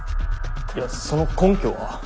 いやその根拠は？